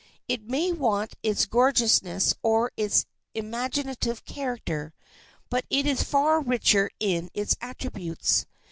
It may want its gorgeousness or its imaginative character, but it is far richer in its attributes.